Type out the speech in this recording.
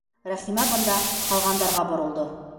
Рәхимә бында ҡалғандарға боролдо.